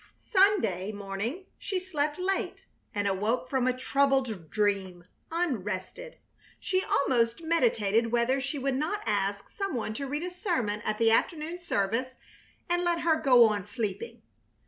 Sunday morning she slept late, and awoke from a troubled dream, unrested. She almost meditated whether she would not ask some one to read a sermon at the afternoon service and let her go on sleeping.